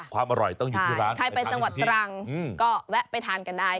ความอร่อยต้องอยู่ที่ร้านใครไปจังหวัดตรังก็แวะไปทานกันได้